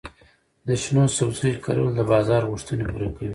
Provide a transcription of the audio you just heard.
د شنو سبزیو کرل د بازار غوښتنې پوره کوي.